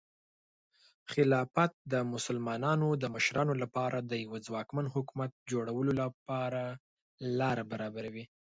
خلافت د مسلمانانو د مشرانو لپاره د یوه ځواکمن حکومت جوړولو لاره برابروي.